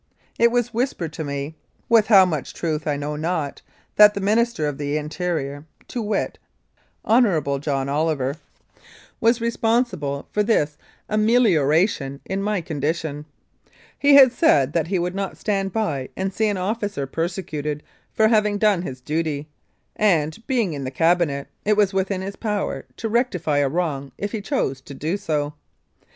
It was whispered to me, with how much truth I know not, that the new Minister of the Interior, to wit, Hon. John Oliver, was responsible for 103 Mounted Police Life in Canada this amelioration in my condition. He had said that he would not stand by and see an officer persecuted for having done his duty, and, being in the Cabinet, it was within his power to rectify a wrong if he chose to do so.